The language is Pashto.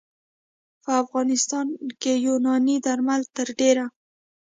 په افغانستان کې یوناني درمل تر ډېره